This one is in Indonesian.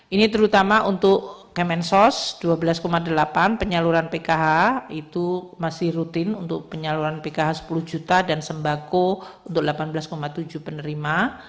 ini terutama untuk kemensos dua belas delapan penyaluran pkh itu masih rutin untuk penyaluran pkh sepuluh juta dan sembako untuk delapan belas tujuh penerima